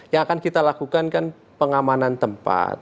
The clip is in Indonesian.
yang akan kita lakukan kan pengamanan tempat